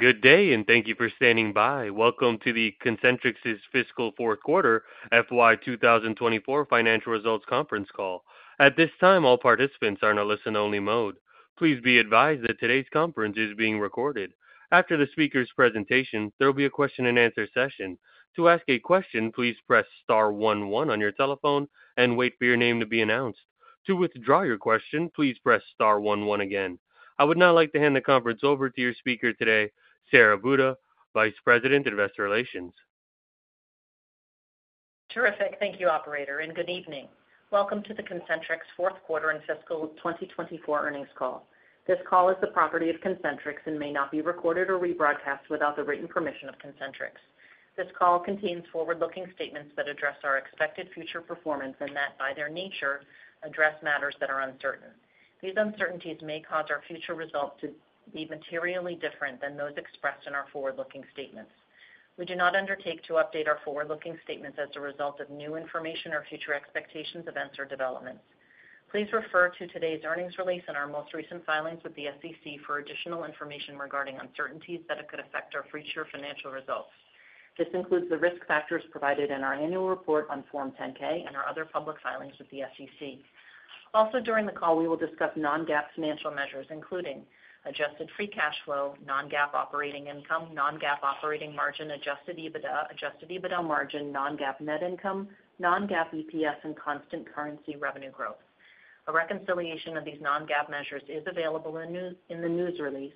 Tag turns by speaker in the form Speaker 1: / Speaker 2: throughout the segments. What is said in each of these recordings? Speaker 1: Good day, and thank you for standing by. Welcome to the Concentrix fiscal fourth quarter FY 2024 financial results conference call. At this time, all participants are in a listen-only mode. Please be advised that today's conference is being recorded. After the speaker's presentation, there will be a question-and-answer session. To ask a question, please press star one one on your telephone and wait for your name to be announced. To withdraw your question, please press star one one again. I would now like to hand the conference over to your speaker today, Sara Buda, Vice President of Investor Relations.
Speaker 2: Terrific. Thank you, Operator, and good evening. Welcome to the Concentrix fourth quarter and fiscal 2024 earnings call. This call is the property of Concentrix and may not be recorded or rebroadcast without the written permission of Concentrix. This call contains forward-looking statements that address our expected future performance and that, by their nature, address matters that are uncertain. These uncertainties may cause our future results to be materially different than those expressed in our forward-looking statements. We do not undertake to update our forward-looking statements as a result of new information or future expectations, events, or developments. Please refer to today's earnings release and our most recent filings with the SEC for additional information regarding uncertainties that could affect our future financial results. This includes the risk factors provided in our annual report on Form 10-K and our other public filings with the SEC. Also, during the call, we will discuss non-GAAP financial measures, including adjusted free cash flow, non-GAAP operating income, non-GAAP operating margin, adjusted EBITDA, adjusted EBITDA margin, non-GAAP net income, non-GAAP EPS, and constant currency revenue growth. A reconciliation of these non-GAAP measures is available in the news release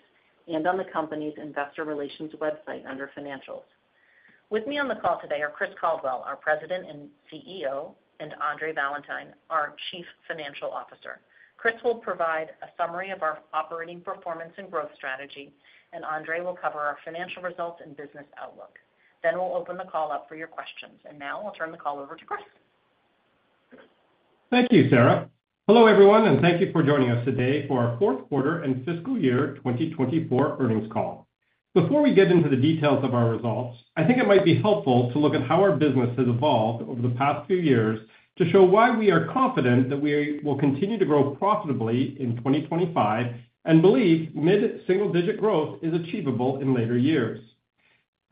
Speaker 2: and on the company's Investor Relations website under Financials. With me on the call today are Chris Caldwell, our President and CEO, and Andre Valentine, our Chief Financial Officer. Chris will provide a summary of our operating performance and growth strategy, and Andre will cover our financial results and business outlook. Then we'll open the call up for your questions. Now I'll turn the call over to Chris.
Speaker 3: Thank you, Sara. Hello, everyone, and thank you for joining us today for our fourth quarter and fiscal year 2024 earnings call. Before we get into the details of our results, I think it might be helpful to look at how our business has evolved over the past few years to show why we are confident that we will continue to grow profitably in 2025 and believe mid-single-digit growth is achievable in later years.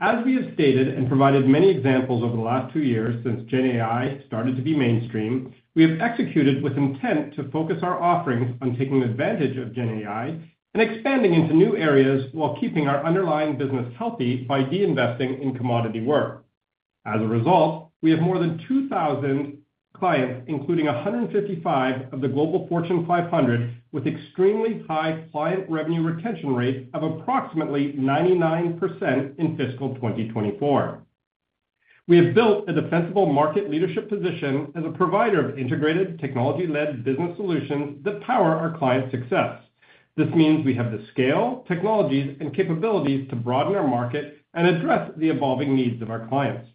Speaker 3: As we have stated and provided many examples over the last two years since GenAI started to be mainstream, we have executed with intent to focus our offerings on taking advantage of GenAI and expanding into new areas while keeping our underlying business healthy by reinvesting in commodity work. As a result, we have more than 2,000 clients, including 155 of the Global Fortune 500, with extremely high client revenue retention rates of approximately 99% in Fiscal 2024. We have built a defensible market leadership position as a provider of integrated technology-led business solutions that power our clients' success. This means we have the scale, technologies, and capabilities to broaden our market and address the evolving needs of our clients.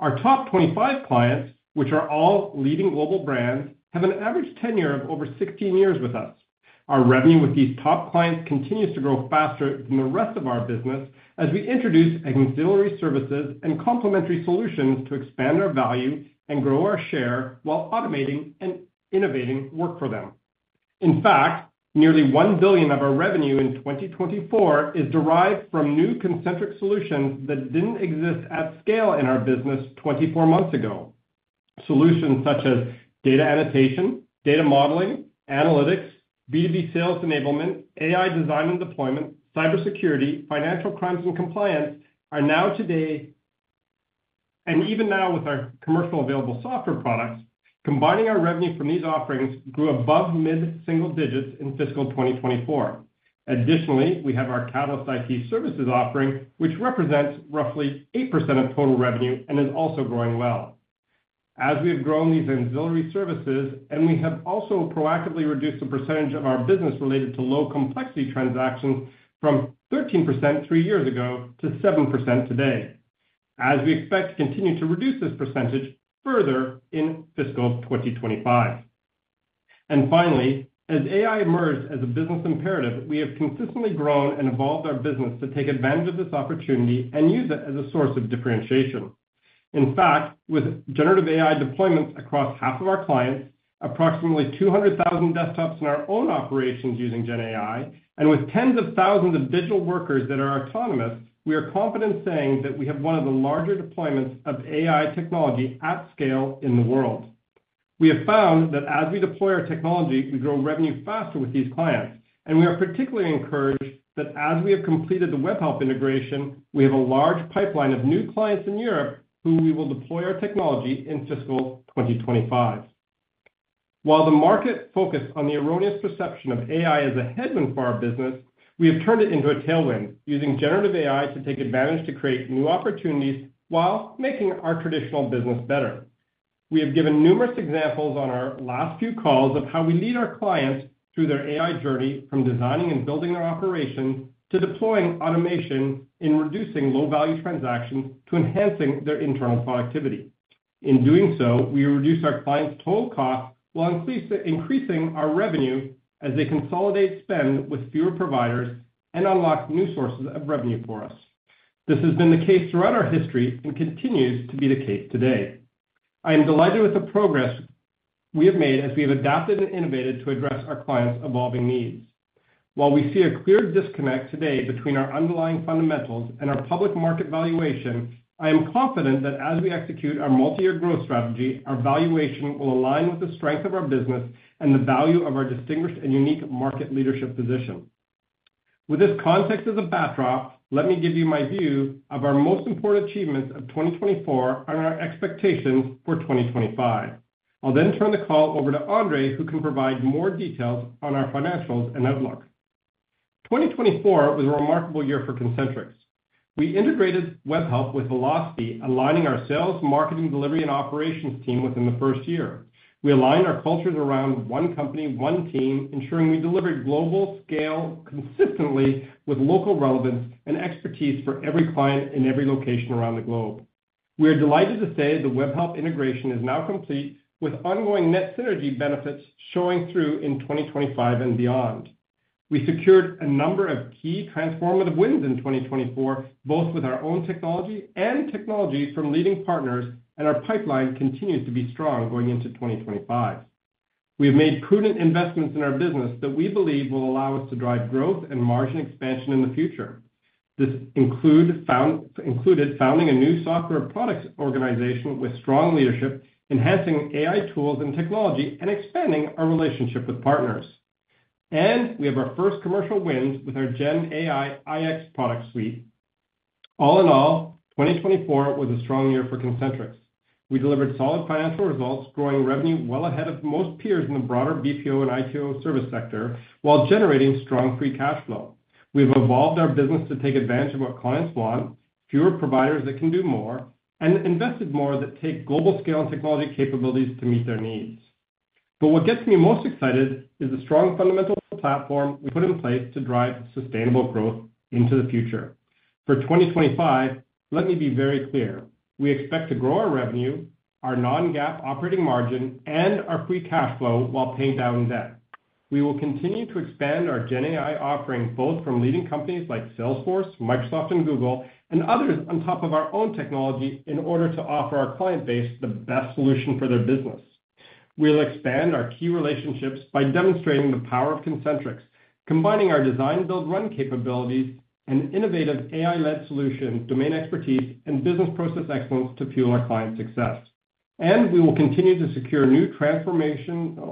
Speaker 3: Our top 25 clients, which are all leading global brands, have an average tenure of over 16 years with us. Our revenue with these top clients continues to grow faster than the rest of our business as we introduce ancillary services and complementary solutions to expand our value and grow our share while automating and innovating work for them. In fact, nearly $1 billion of our revenue in 2024 is derived from new Concentrix solutions that didn't exist at scale in our business 24 months ago. Solutions such as data annotation, data modeling, analytics, B2B sales enablement, AI design and deployment, cybersecurity, financial crimes, and compliance are now today, and even now with our commercially available software products, combining our revenue from these offerings grew above mid-single digits in fiscal 2024. Additionally, we have our Catalyst IT services offering, which represents roughly 8% of total revenue and is also growing well. As we have grown these ancillary services, we have also proactively reduced the percentage of our business related to low-complexity transactions from 13% three years ago to 7% today, as we expect to continue to reduce this percentage further in fiscal 2025. Finally, as AI emerged as a business imperative, we have consistently grown and evolved our business to take advantage of this opportunity and use it as a source of differentiation. In fact, with generative AI deployments across half of our clients, approximately 200,000 desktops in our own operations using GenAI, and with tens of thousands of digital workers that are autonomous, we are confident saying that we have one of the larger deployments of AI technology at scale in the world. We have found that as we deploy our technology, we grow revenue faster with these clients, and we are particularly encouraged that as we have completed the Webhelp integration, we have a large pipeline of new clients in Europe who we will deploy our technology in fiscal 2025. While the market focused on the erroneous perception of AI as a headwind for our business, we have turned it into a tailwind using generative AI to take advantage to create new opportunities while making our traditional business better. We have given numerous examples on our last few calls of how we lead our clients through their AI journey from designing and building their operations to deploying automation in reducing low-value transactions to enhancing their internal productivity. In doing so, we reduce our clients' total costs while increasing our revenue as they consolidate spend with fewer providers and unlock new sources of revenue for us. This has been the case throughout our history and continues to be the case today. I am delighted with the progress we have made as we have adapted and innovated to address our clients' evolving needs. While we see a clear disconnect today between our underlying fundamentals and our public market valuation, I am confident that as we execute our multi-year growth strategy, our valuation will align with the strength of our business and the value of our distinguished and unique market leadership position. With this context as a backdrop, let me give you my view of our most important achievements of 2024 and our expectations for 2025. I'll then turn the call over to Andre, who can provide more details on our financials and outlook. 2024 was a remarkable year for Concentrix. We integrated Webhelp with velocity, aligning our sales, marketing, delivery, and operations team within the first year. We aligned our cultures around one company, one team, ensuring we delivered global scale consistently with local relevance and expertise for every client in every location around the globe. We are delighted to say the Webhelp integration is now complete, with ongoing net synergy benefits showing through in 2025 and beyond. We secured a number of key transformative wins in 2024, both with our own technology and technology from leading partners, and our pipeline continues to be strong going into 2025. We have made prudent investments in our business that we believe will allow us to drive growth and margin expansion in the future. This included founding a new software products organization with strong leadership, enhancing AI tools and technology, and expanding our relationship with partners, and we have our first commercial wins with our GenAI iX product suite. All in all, 2024 was a strong year for Concentrix. We delivered solid financial results, growing revenue well ahead of most peers in the broader BPO and ITO service sector while generating strong free cash flow. We have evolved our business to take advantage of what clients want, fewer providers that can do more, and invested more that take global scale and technology capabilities to meet their needs. But what gets me most excited is the strong fundamental platform we put in place to drive sustainable growth into the future. For 2025, let me be very clear. We expect to grow our revenue, our non-GAAP operating margin, and our free cash flow while paying down debt. We will continue to expand our GenAI offering both from leading companies like Salesforce, Microsoft, and Google, and others on top of our own technology in order to offer our client base the best solution for their business. We will expand our key relationships by demonstrating the power of Concentrix, combining our design, build, run capabilities and innovative AI-led solutions, domain expertise, and business process excellence to fuel our client success, and we will continue to secure new transformational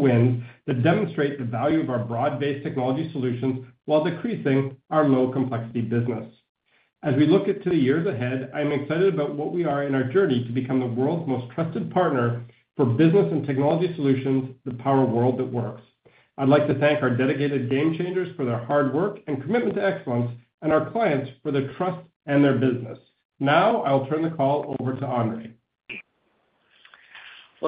Speaker 3: wins that demonstrate the value of our broad-based technology solutions while decreasing our low-complexity business. As we look into the years ahead, I'm excited about where we are in our journey to become the world's most trusted partner for business and technology solutions that power a world that works. I'd like to thank our dedicated Game-changers for their hard work and commitment to excellence, and our clients for their trust and their business. Now I'll turn the call over to Andre.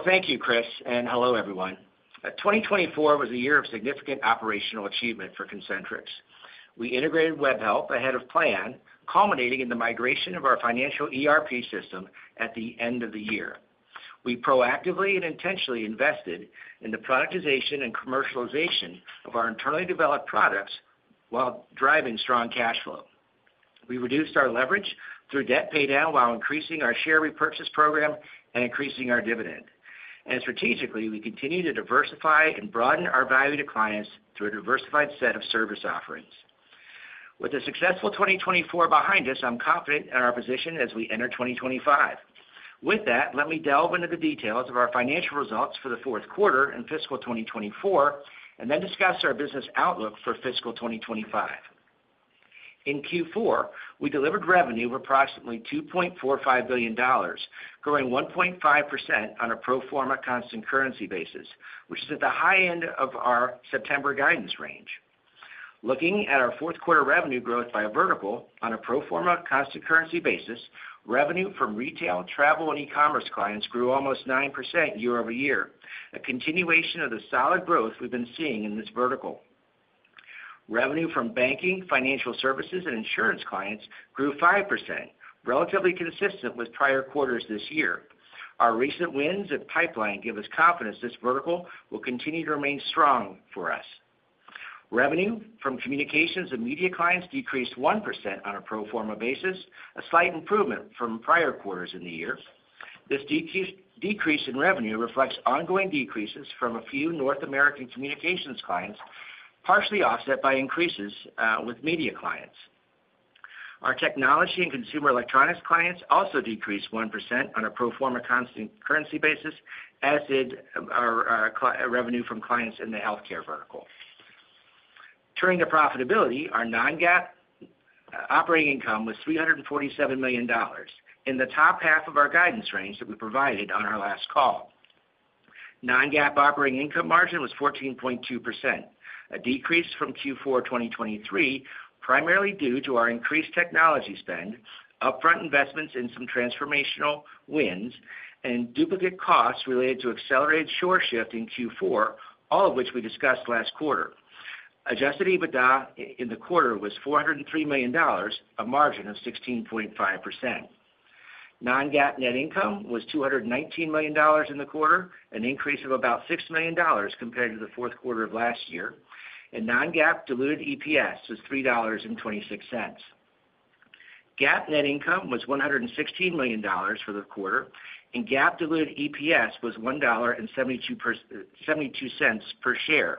Speaker 4: Thank you, Chris, and hello, everyone. 2024 was a year of significant operational achievement for Concentrix. We integrated Webhelp ahead of plan, culminating in the migration of our financial ERP system at the end of the year. We proactively and intentionally invested in the productization and commercialization of our internally developed products while driving strong cash flow. We reduced our leverage through debt paydown while increasing our share repurchase program and increasing our dividend. Strategically, we continue to diversify and broaden our value to clients through a diversified set of service offerings. With a successful 2024 behind us, I'm confident in our position as we enter 2025. With that, let me delve into the details of our financial results for the fourth quarter and Fiscal 2024, and then discuss our business outlook for fiscal 2025. In Q4, we delivered revenue of approximately $2.45 billion, growing 1.5% on a pro forma constant currency basis, which is at the high end of our September guidance range. Looking at our fourth quarter revenue growth by vertical on a pro forma constant currency basis, revenue from retail, travel, and e-commerce clients grew almost 9% year-over-year a continuation of the solid growth we've been seeing in this vertical. Revenue from banking, financial services, and insurance clients grew 5%, relatively consistent with prior quarters this year. Our recent wins and pipeline give us confidence this vertical will continue to remain strong for us. Revenue from communications and media clients decreased 1% on a pro forma basis, a slight improvement from prior quarters in the year. This decrease in revenue reflects ongoing decreases from a few North American communications clients, partially offset by increases with media clients. Our technology and consumer electronics clients also decreased 1% on a pro forma constant currency basis, as did our revenue from clients in the healthcare vertical. Turning to profitability, our non-GAAP operating income was $347 million in the top half of our guidance range that we provided on our last call. Non-GAAP operating income margin was 14.2%, a decrease from Q4 2023 primarily due to our increased technology spend, upfront investments in some transformational wins, and duplicate costs related to accelerated offshore shift in Q4, all of which we discussed last quarter. Adjusted EBITDA in the quarter was $403 million, a margin of 16.5%. Non-GAAP net income was $219 million in the quarter, an increase of about $6 million compared to the fourth quarter of last year, and non-GAAP diluted EPS was $3.26. GAAP net income was $116 million for the quarter, and GAAP diluted EPS was $1.72 per share.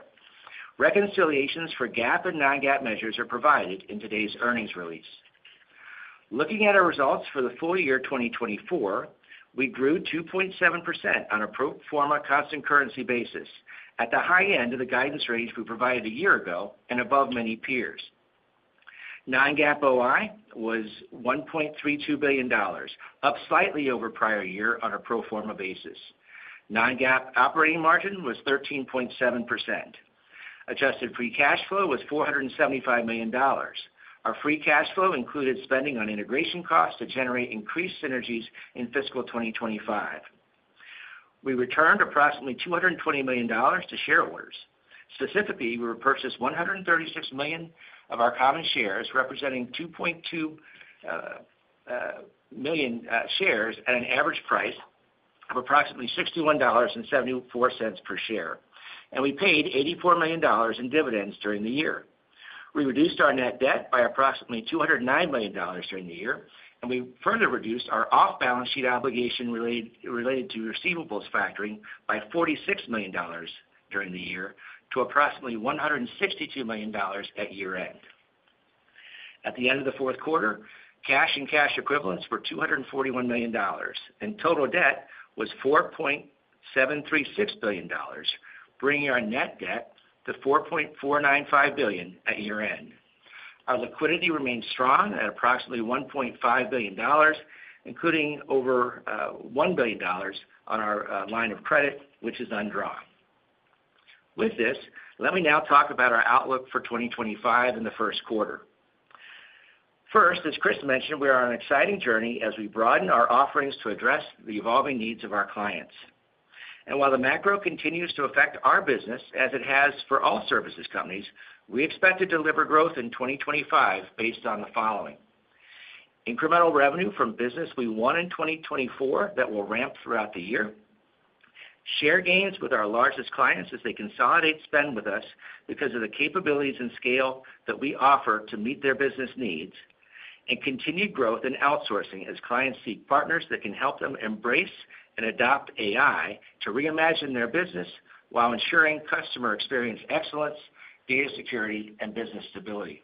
Speaker 4: Reconciliations for GAAP and non-GAAP measures are provided in today's earnings release. Looking at our results for the full year 2024, we grew 2.7% on a pro forma constant currency basis, at the high end of the guidance range we provided a year ago and above many peers. Non-GAAP OI was $1.32 billion, up slightly over prior year on a pro forma basis. Non-GAAP operating margin was 13.7%. Adjusted free cash flow was $475 million. Our free cash flow included spending on integration costs to generate increased synergies in fiscal 2025. We returned approximately $220 million to shareholders. Specifically, we repurchased 136 million of our common shares, representing 2.2 million shares at an average price of approximately $61.74 per share, and we paid $84 million in dividends during the year. We reduced our net debt by approximately $209 million during the year, and we further reduced our off-balance sheet obligation related to receivables factoring by $46 million during the year to approximately $162 million at year-end. At the end of the fourth quarter, cash and cash equivalents were $241 million, and total debt was $4.736 billion, bringing our net debt to $4.495 billion at year-end. Our liquidity remained strong at approximately $1.5 billion, including over $1 billion on our line of credit, which is undrawn. With this, let me now talk about our outlook for 2025 in the first quarter. First, as Chris mentioned, we are on an exciting journey as we broaden our offerings to address the evolving needs of our clients. While the macro continues to affect our business, as it has for all services companies, we expect to deliver growth in 2025 based on the following: incremental revenue from business we won in 2024 that will ramp throughout the year. Share gains with our largest clients as they consolidate spend with us because of the capabilities and scale that we offer to meet their business needs and continued growth in outsourcing as clients seek partners that can help them embrace and adopt AI to reimagine their business while ensuring customer experience excellence, data security, and business stability.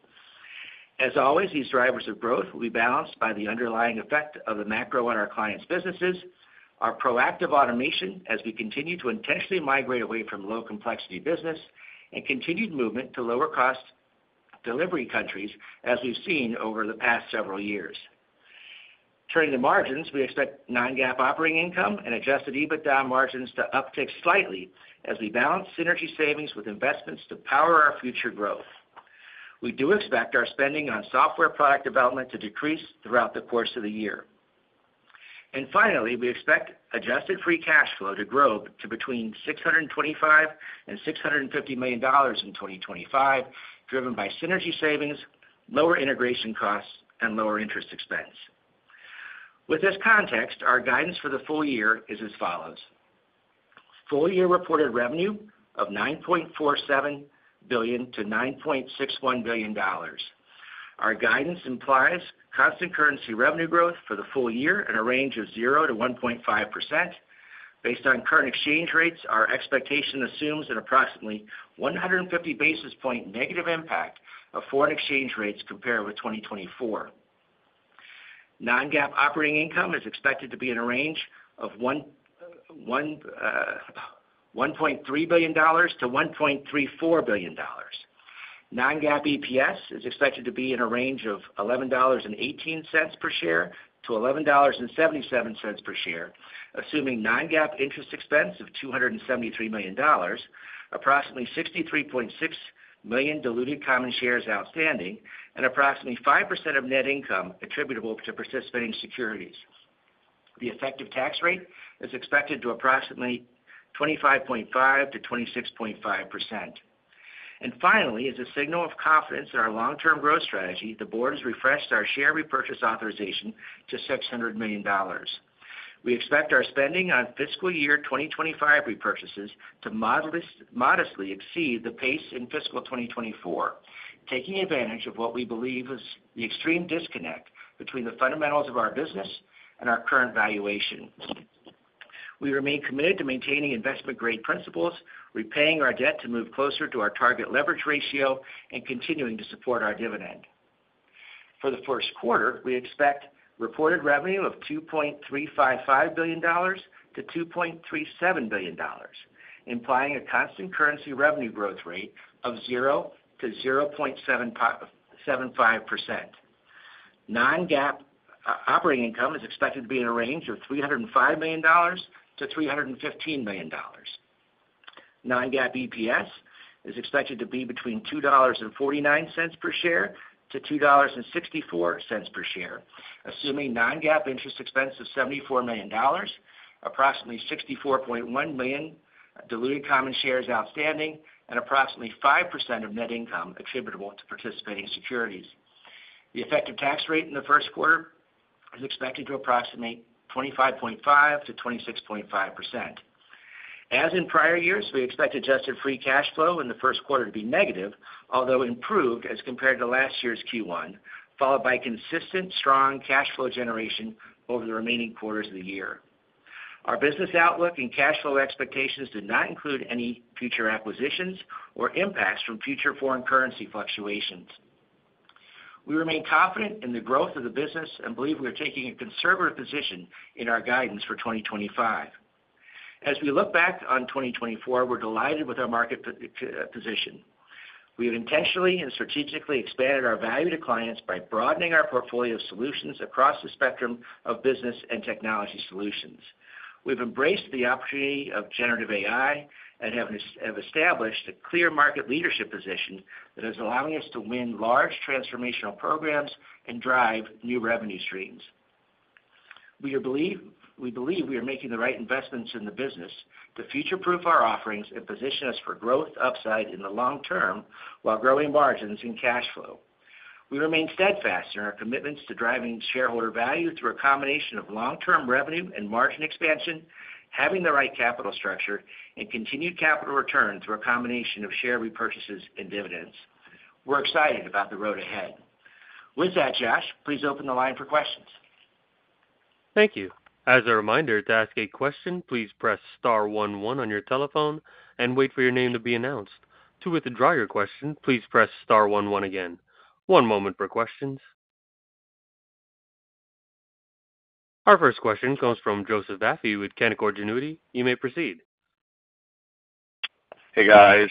Speaker 4: As always, these drivers of growth will be balanced by the underlying effect of the macro on our clients' businesses, our proactive automation as we continue to intentionally migrate away from low-complexity business, and continued movement to lower-cost delivery countries as we've seen over the past several years. Turning to margins, we expect non-GAAP operating income and Adjusted EBITDA margins to uptick slightly as we balance synergy savings with investments to power our future growth. We do expect our spending on software product development to decrease throughout the course of the year. Finally, we expect adjusted free cash flow to grow to between $625 million and $650 million in 2025, driven by synergy savings, lower integration costs, and lower interest expense. With this context, our guidance for the full year is as follows: full year reported revenue of $9.47 billion-$9.61 billion. Our guidance implies Constant Currency revenue growth for the full year in a range of 0-1.5%. Based on current exchange rates, our expectation assumes an approximately 150 basis points negative impact of foreign exchange rates compared with 2024. Non-GAAP operating income is expected to be in a range of $1.3 billion-$1.34 billion. Non-GAAP EPS is expected to be in a range of $11.18-$11.77 per share, assuming non-GAAP interest expense of $273 million, approximately 63.6 million diluted common shares outstanding, and approximately 5% of net income attributable to participating securities. The effective tax rate is expected to approximately 25.5%-26.5%. Finally, as a signal of confidence in our long-term growth strategy, the board has refreshed our share repurchase authorization to $600 million. We expect our spending on fiscal year 2025 repurchases to modestly exceed the pace in fiscal 2024, taking advantage of what we believe is the extreme disconnect between the fundamentals of our business and our current valuation. We remain committed to maintaining investment-grade principles, repaying our debt to move closer to our target leverage ratio, and continuing to support our dividend. For the first quarter, we expect reported revenue of $2.355 billion-$2.37 billion, implying a constant currency revenue growth rate of 0%-0.75%. Non-GAAP operating income is expected to be in a range of $305 million-$315 million. Non-GAAP EPS is expected to be between $2.49 per share-$2.64 per share, assuming non-GAAP interest expense of $74 million, approximately 64.1 million diluted common shares outstanding, and approximately 5% of net income attributable to participating securities. The effective tax rate in the first quarter is expected to approximate 25.5%-26.5%. As in prior years, we expect adjusted free cash flow in the first quarter to be negative, although improved as compared to last year's Q1, followed by consistent strong cash flow generation over the remaining quarters of the year. Our business outlook and cash flow expectations do not include any future acquisitions or impacts from future foreign currency fluctuations. We remain confident in the growth of the business and believe we are taking a conservative position in our guidance for 2025. As we look back on 2024, we're delighted with our market position. We have intentionally and strategically expanded our value to clients by broadening our portfolio of solutions across the spectrum of business and technology solutions. We've embraced the opportunity of generative AI and have established a clear market leadership position that is allowing us to win large transformational programs and drive new revenue streams. We believe we are making the right investments in the business to future-proof our offerings and position us for growth upside in the long term while growing margins and cash flow. We remain steadfast in our commitments to driving shareholder value through a combination of long-term revenue and margin expansion, having the right capital structure, and continued capital return through a combination of share repurchases and dividends. We're excited about the road ahead. With that, Josh, please open the line for questions.
Speaker 1: Thank you. As a reminder, to ask a question, please press star one one on your telephone and wait for your name to be announced. To withdraw your question, please press star one one again. One moment for questions. Our first question comes from Joseph Vafi with Canaccord Genuity. You may proceed.
Speaker 5: Hey, guys.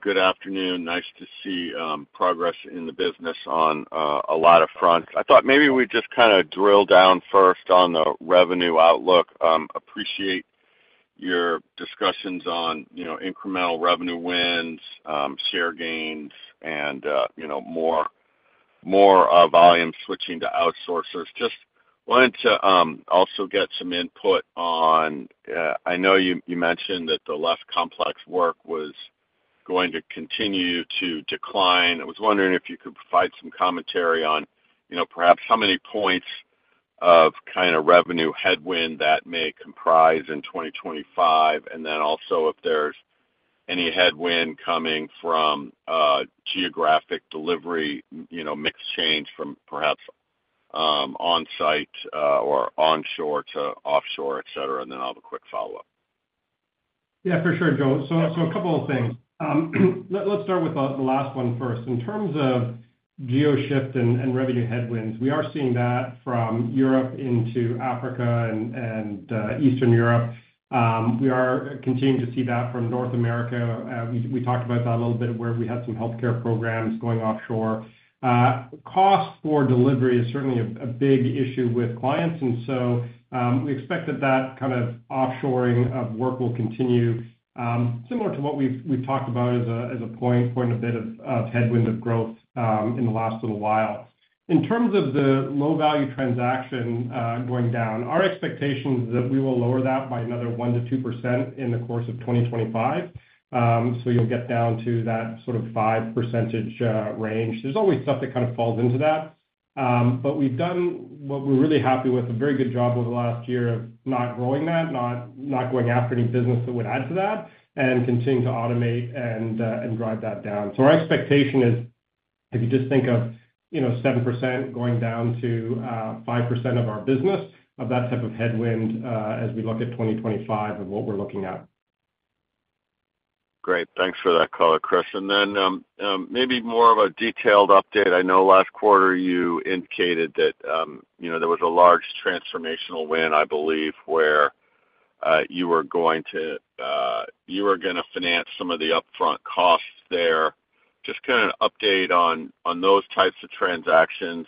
Speaker 5: Good afternoon. Nice to see progress in the business on a lot of fronts. I thought maybe we'd just kind of drill down first on the revenue outlook. Appreciate your discussions on incremental revenue wins, share gains, and more volume switching to outsourcers. Just wanted to also get some input on, I know you mentioned that the less complex work was going to continue to decline. I was wondering if you could provide some commentary on perhaps how many points of kind of revenue headwind that may comprise in 2025, and then also if there's any headwind coming from geographic delivery mix change from perhaps onsite or onshore to offshore, etc., and then I'll have a quick follow-up.
Speaker 3: Yeah, for sure, Joe. So a couple of things. Let's start with the last one first. In terms of geo shift and revenue headwinds, we are seeing that from Europe into Africa and Eastern Europe. We are continuing to see that from North America. We talked about that a little bit where we had some healthcare programs going offshore. Cost for delivery is certainly a big issue with clients, and so we expect that kind of offshoring of work will continue, similar to what we've talked about as a point, point a bit of headwind of growth in the last little while. In terms of the low-value transaction going down, our expectation is that we will lower that by another 1%-2% in the course of 2025. So you'll get down to that sort of 5% range. There's always stuff that kind of falls into that. But we've done what we're really happy with, a very good job over the last year of not growing that, not going after any business that would add to that, and continuing to automate and drive that down. So our expectation is, if you just think of 7% going down to 5% of our business, of that type of headwind as we look at 2025 and what we're looking at.
Speaker 5: Great. Thanks for that call, Chris. Then maybe more of a detailed update. I know last quarter you indicated that there was a large transformational win, I believe, where you were going to finance some of the upfront costs there. Just kind of an update on those types of transactions,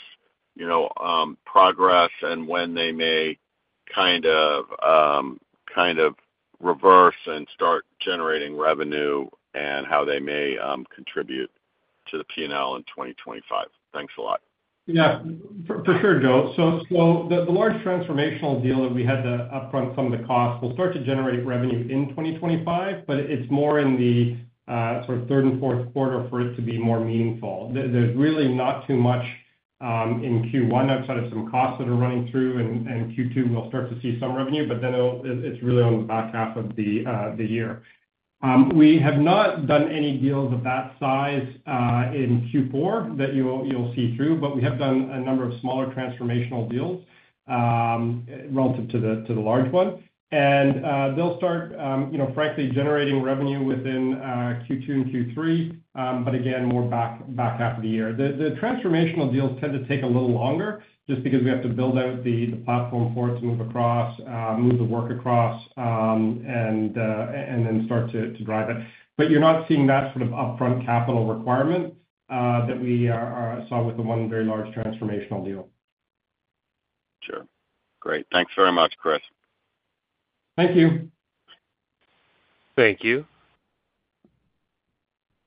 Speaker 5: progress, and when they may kind of reverse and start generating revenue and how they may contribute to the P&L in 2025. Thanks a lot.
Speaker 3: Yeah, for sure, Joe, so the large transformational deal that we had to upfront some of the costs will start to generate revenue in 2025, but it's more in the sort of third and fourth quarter for it to be more meaningful. There's really not too much in Q1 outside of some costs that are running through, and Q2 we'll start to see some revenue, but then it's really on the back half of the year. We have not done any deals of that size in Q4 that you'll see through, but we have done a number of smaller transformational deals relative to the large one, and they'll start, frankly, generating revenue within Q2 and Q3, but again, more back half of the year. The transformational deals tend to take a little longer just because we have to build out the platform for it to move across, move the work across, and then start to drive it. But you're not seeing that sort of upfront capital requirement that we saw with the one very large transformational deal.
Speaker 5: Sure. Great. Thanks very much, Chris.
Speaker 3: Thank you.
Speaker 1: Thank you.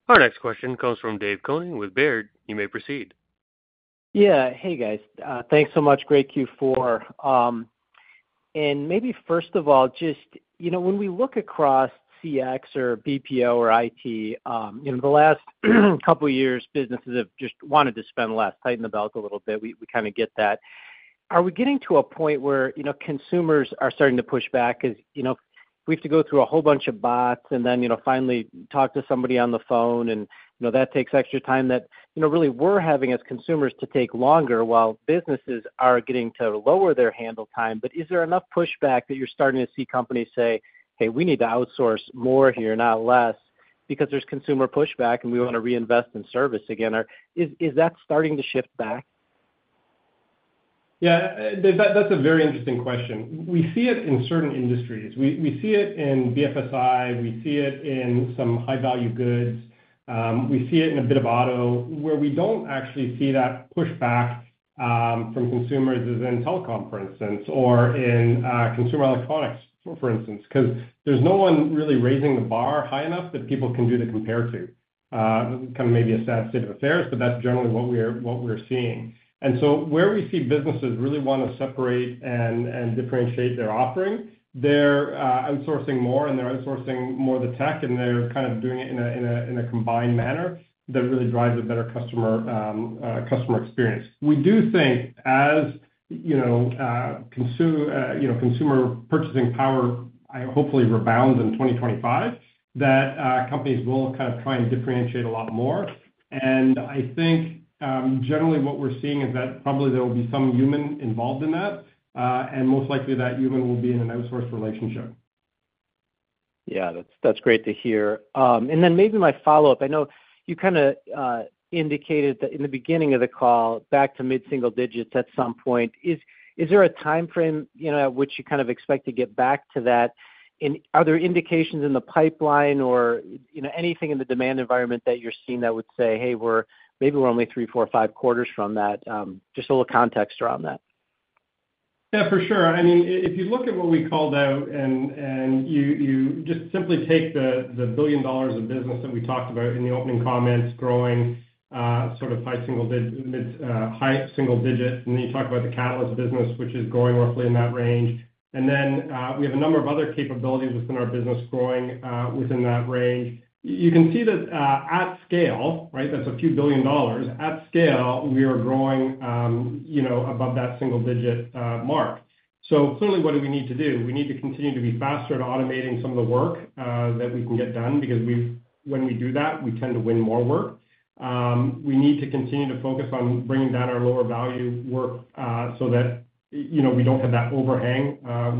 Speaker 1: Our next question comes from David Koning with Baird. You may proceed.
Speaker 6: Yeah. Hey, guys. Thanks so much. Great Q4. Maybe first of all, just when we look across CX or BPO or IT, the last couple of years, businesses have just wanted to spend less, tighten the belt a little bit. We kind of get that. Are we getting to a point where consumers are starting to push back because we have to go through a whole bunch of bots and then finally talk to somebody on the phone, and that takes extra time that really we're having as consumers to take longer while businesses are getting to lower their handle time. But is there enough pushback that you're starting to see companies say, "Hey, we need to outsource more here, not less," because there's consumer pushback and we want to reinvest in service again? Is that starting to shift back?
Speaker 3: Yeah. That's a very interesting question. We see it in certain industries. We see it in BFSI. We see it in some high-value goods. We see it in a bit of auto, where we don't actually see that pushback from consumers as in telecom, for instance, or in consumer electronics, for instance, because there's no one really raising the bar high enough that people can do to compare to. Kind of maybe a sad state of affairs, but that's generally what we're seeing. So where we see businesses really want to separate and differentiate their offering, they're outsourcing more and they're outsourcing more of the tech, and they're kind of doing it in a combined manner that really drives a better customer experience. We do think as consumer purchasing power, hopefully rebounds in 2025, that companies will kind of try and differentiate a lot more. I think generally what we're seeing is that probably there will be some human involved in that, and most likely that human will be in an outsourced relationship.
Speaker 6: Yeah, that's great to hear. Then maybe my follow-up. I know you kind of indicated that in the beginning of the call, back to mid-single digits at some point. Is there a timeframe at which you kind of expect to get back to that? Are there indications in the pipeline or anything in the demand environment that you're seeing that would say, "Hey, maybe we're only three, four, five quarters from that"? Just a little context around that.
Speaker 3: Yeah, for sure. I mean, if you look at what we called out and you just simply take the $1 billion of business that we talked about in the opening comments, growing sort of high single digits, and then you talk about the Catalyst business, which is growing roughly in that range. Then we have a number of other capabilities within our business growing within that range. You can see that at scale, right? That's a few billion dollars. At scale, we are growing above that single digit mark. So clearly, what do we need to do? We need to continue to be faster at automating some of the work that we can get done because when we do that, we tend to win more work. We need to continue to focus on bringing down our lower value work so that we don't have that overhang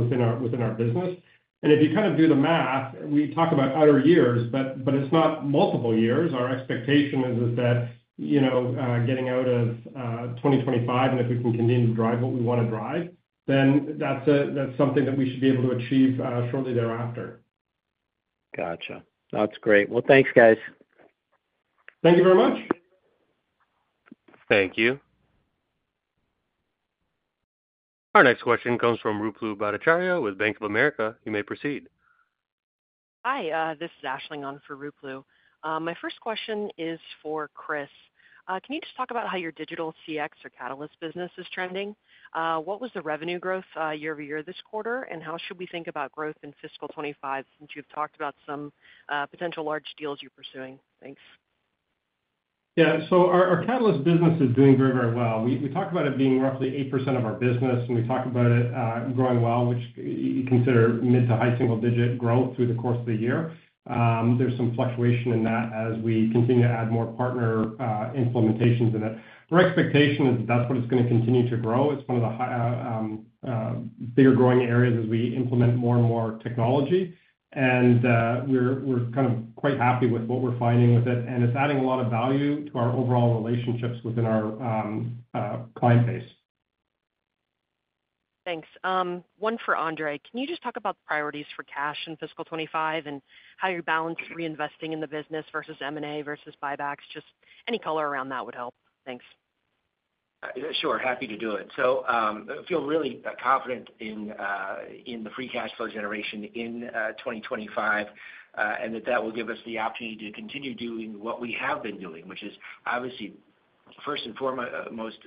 Speaker 3: within our business. If you kind of do the math, we talk about outer years, but it's not multiple years. Our expectation is that getting out of 2025, and if we can continue to drive what we want to drive, then that's something that we should be able to achieve shortly thereafter.
Speaker 6: Gotcha. That's great. Well, thanks, guys.
Speaker 3: Thank you very much.
Speaker 1: Thank you. Our next question comes from Ruplu Bhattacharya with Bank of America. You may proceed.
Speaker 7: Hi. This is Ashley for Ruplu. My first question is for Chris. Can you just talk about how your digital CX or Catalyst business is trending? What was the revenue growth year over year this quarter, and how should we think about growth in fiscal 2025 since you've talked about some potential large deals you're pursuing? Thanks.
Speaker 3: Yeah, so our Catalyst business is doing very, very well. We talk about it being roughly 8% of our business, and we talk about it growing well, which you consider mid to high single-digit growth through the course of the year. There's some fluctuation in that as we continue to add more partner implementations in it. Our expectation is that that's what it's going to continue to grow. It's one of the bigger growing areas as we implement more and more technology, and we're kind of quite happy with what we're finding with it, and it's adding a lot of value to our overall relationships within our client base.
Speaker 7: Thanks. One for Andre. Can you just talk about the priorities for cash in fiscal 2025 and how you balance reinvesting in the business versus M&A versus buybacks? Just any color around that would help. Thanks.
Speaker 4: Sure. Happy to do it. So I feel really confident in the free cash flow generation in 2025 and that that will give us the opportunity to continue doing what we have been doing, which is obviously, first and foremost,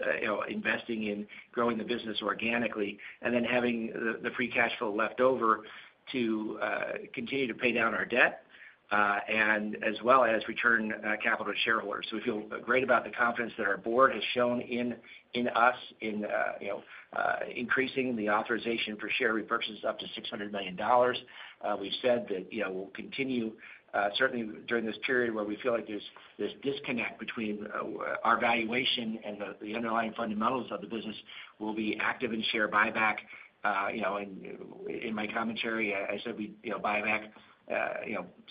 Speaker 4: investing in growing the business organically and then having the free cash flow left over to continue to pay down our debt and as well as return capital to shareholders. So we feel great about the confidence that our board has shown in us in increasing the authorization for share repurchases up to $600 million. We've said that we'll continue, certainly during this period where we feel like there's this disconnect between our valuation and the underlying fundamentals of the business, we'll be active in share buyback. In my commentary, I said we buy back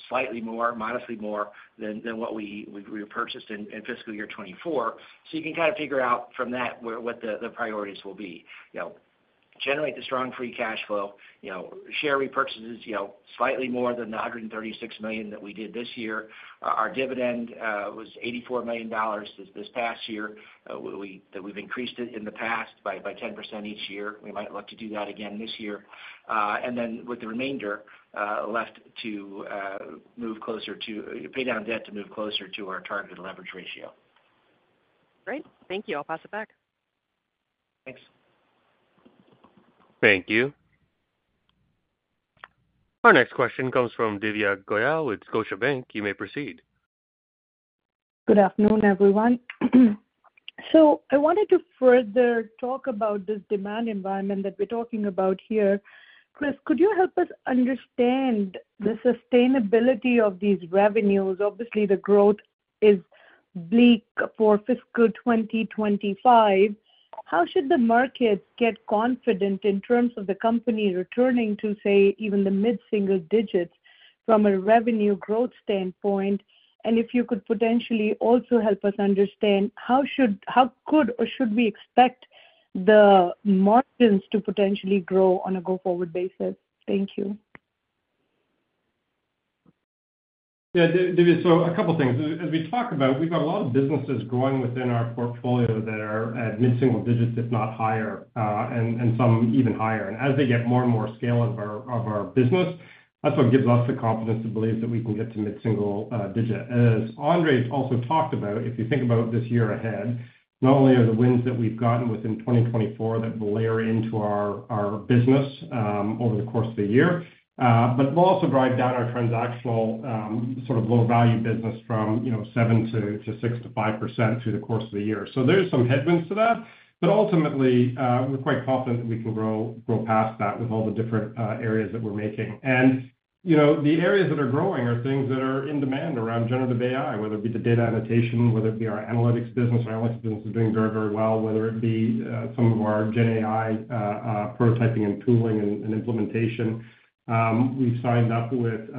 Speaker 4: slightly more, modestly more than what we repurchased in fiscal year 2024. So you can kind of figure out from that what the priorities will be. Generate the strong Free Cash Flow, share repurchases slightly more than the $136 million that we did this year. Our dividend was $84 million this past year. We've increased it in the past by 10% each year. We might look to do that again this year. Then with the remainder left to move closer to pay down debt to move closer to our targeted leverage ratio.
Speaker 7: Great. Thank you. I'll pass it back.
Speaker 4: Thanks.
Speaker 1: Thank you. Our next question comes from Divya Goyal with Scotiabank. You may proceed.
Speaker 8: Good afternoon, everyone. So I wanted to further talk about this demand environment that we're talking about here. Chris, could you help us understand the sustainability of these revenues? Obviously, the growth is bleak for fiscal 2025. How should the markets get confident in terms of the company returning to, say, even the mid-single digits from a revenue growth standpoint? If you could potentially also help us understand, how could or should we expect the margins to potentially grow on a go-forward basis? Thank you.
Speaker 3: Yeah. Divya, so a couple of things. As we talk about, we've got a lot of businesses growing within our portfolio that are at mid-single digits, if not higher, and some even higher. As they get more and more scale of our business, that's what gives us the confidence to believe that we can get to mid-single digit. As Andre also talked about, if you think about this year ahead, not only are the wins that we've gotten within 2024 that will layer into our business over the course of the year, but we'll also drive down our transactional sort of low-value business from 7% to 6% to 5% through the course of the year. So there's some headwinds to that, but ultimately, we're quite confident that we can grow past that with all the different areas that we're making. The areas that are growing are things that are in demand around generative AI, whether it be the data annotation, whether it be our analytics business. Our analytics business is doing very, very well, whether it be some of our GenAI prototyping and tooling and implementation. We've signed up with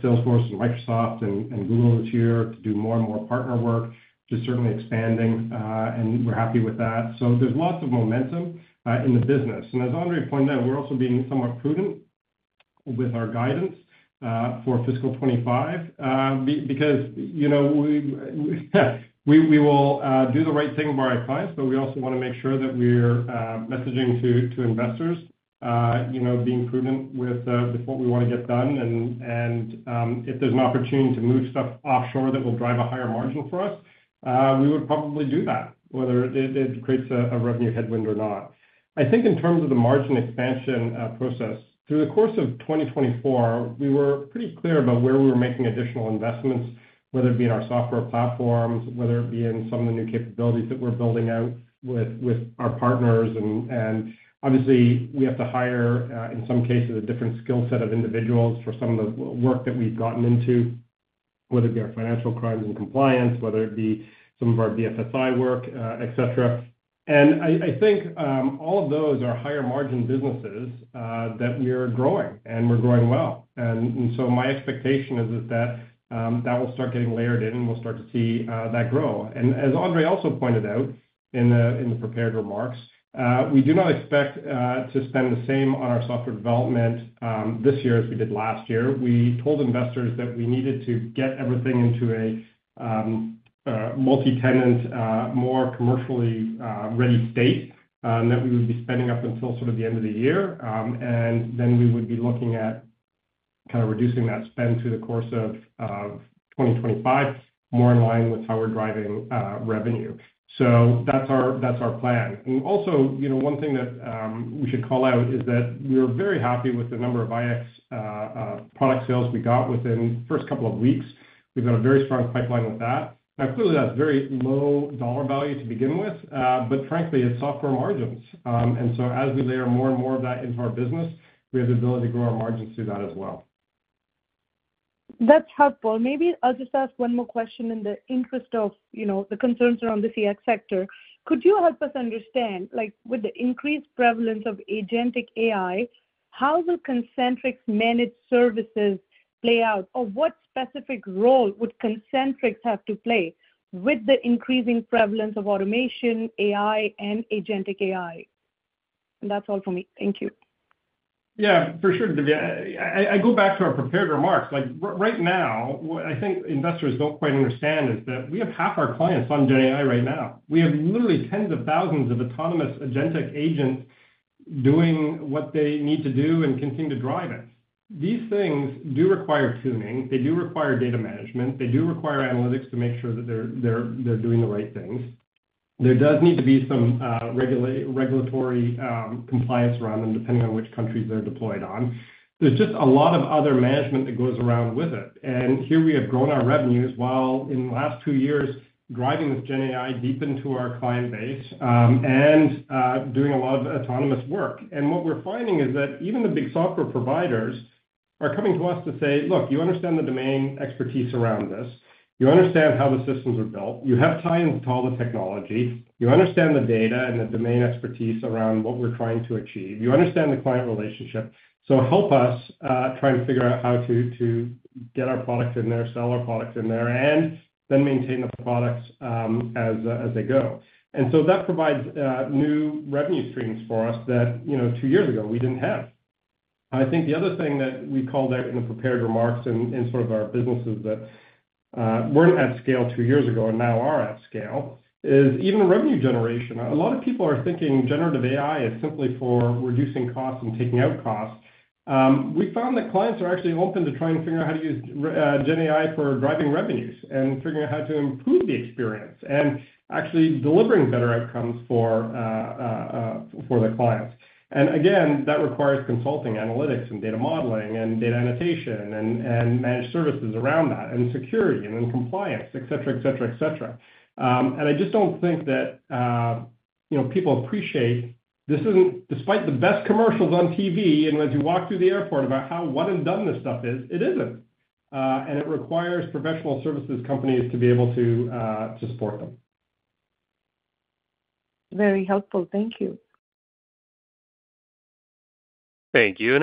Speaker 3: Salesforce and Microsoft and Google this year to do more and more partner work, just certainly expanding, and we're happy with that. So there's lots of momentum in the business. As Andre pointed out, we're also being somewhat prudent with our guidance for fiscal 2025 because we will do the right thing by our clients, but we also want to make sure that we're messaging to investors, being prudent with what we want to get done. If there's an opportunity to move stuff offshore that will drive a higher margin for us, we would probably do that, whether it creates a revenue headwind or not. I think in terms of the margin expansion process, through the course of 2024, we were pretty clear about where we were making additional investments, whether it be in our software platforms, whether it be in some of the new capabilities that we're building out with our partners. Obviously, we have to hire, in some cases, a different skill set of individuals for some of the work that we've gotten into, whether it be our financial crimes and compliance, whether it be some of our BFSI work, etc. I think all of those are higher margin businesses that we're growing, and we're growing well. My expectation is that that will start getting layered in, and we'll start to see that grow. As Andre also pointed out in the prepared remarks, we do not expect to spend the same on our software development this year as we did last year. We told investors that we needed to get everything into a multi-tenant, more commercially ready state that we would be spending up until sort of the end of the year. Then we would be looking at kind of reducing that spend through the course of 2025, more in line with how we're driving revenue. That's our plan. Also, one thing that we should call out is that we are very happy with the number of iX product sales we got within the first couple of weeks. We've got a very strong pipeline with that. Now, clearly, that's very low dollar value to begin with, but frankly, it's software margins, and so as we layer more and more of that into our business, we have the ability to grow our margins through that as well.
Speaker 8: That's helpful. Maybe I'll just ask one more question in the interest of the concerns around the CX sector. Could you help us understand, with the increased prevalence of agentic AI, how will Concentrix managed services play out, or what specific role would Concentrix have to play with the increasing prevalence of automation, AI, and agentic AI? That's all for me. Thank you.
Speaker 3: Yeah, for sure, Divya. I go back to our prepared remarks. Right now, what I think investors don't quite understand is that we have half our clients on GenAI right now. We have literally tens of thousands of autonomous agentic agents doing what they need to do and continue to drive it. These things do require tuning. They do require data management. They do require analytics to make sure that they're doing the right things. There does need to be some regulatory compliance around them, depending on which countries they're deployed on. There's just a lot of other management that goes around with it, and here we have grown our revenues while in the last two years driving this GenAI deep into our client base and doing a lot of autonomous work. What we're finding is that even the big software providers are coming to us to say, "Look, you understand the domain expertise around this. You understand how the systems are built. You have tie-ins to all the technology. You understand the data and the domain expertise around what we're trying to achieve. You understand the client relationship. So help us try and figure out how to get our product in there, sell our product in there, and then maintain the products as they go." So that provides new revenue streams for us that two years ago we didn't have. I think the other thing that we called out in the prepared remarks in sort of our businesses that weren't at scale two years ago and now are at scale is even revenue generation. A lot of people are thinking generative AI is simply for reducing costs and taking out costs. We found that clients are actually open to trying to figure out how to use GenAI for driving revenues and figuring out how to improve the experience and actually delivering better outcomes for the clients. Again, that requires consulting analytics and data modeling and data annotation and managed services around that and security and then compliance, etc., etc., etc. I just don't think that people appreciate this isn't, despite the best commercials on TV and as you walk through the airport about how one and done this stuff is, it isn't. It requires professional services companies to be able to support them.
Speaker 8: Very helpful. Thank you.
Speaker 1: Thank you.